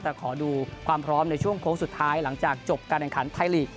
แต่ขอดูความพร้อมในช่วงโค้งสุดท้ายหลังจากจบการแข่งขันไทยลีก